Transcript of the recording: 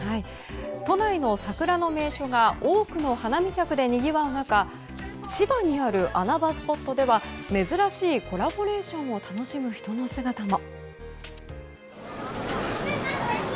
都内の桜の名所が多くの花見客でにぎわう中千葉にある穴場スポットでは珍しいコラボレーションを楽しむ人の姿も。